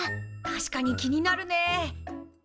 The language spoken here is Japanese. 確かに気になるね。